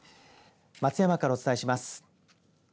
松山からお伝えします。